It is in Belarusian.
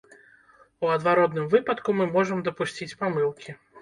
У адваротным выпадку мы можам дапусціць памылкі.